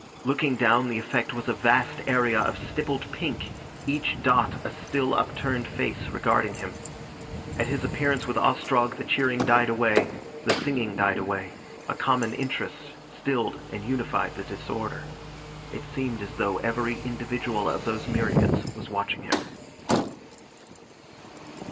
Looking down the effect was a vast area of stippled pink, each dot a still upturned face regarding him. At his appearance with Ostrog the cheering died away, the singing died away, a common interest stilled and unified the disorder. It seemed as though every individual of those myriads was watching him.